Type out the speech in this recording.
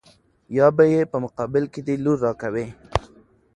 يا به يې په مقابل کې دې لور را کوې.